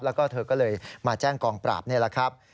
แล้วก็เธอก็เลยมาแจ้งกองปราบนี่แหละครับ